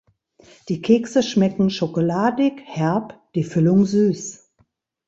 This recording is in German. Die Kekse schmecken schokoladig-herb, die Füllung süß.